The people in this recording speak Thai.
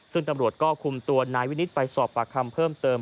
ซึ่งตำรวจก็คุมตัวนายวินิตไปสอบปากคำเพิ่มเติม